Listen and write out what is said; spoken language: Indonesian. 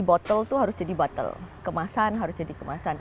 botol itu harus jadi botol kemasan harus jadi kemasan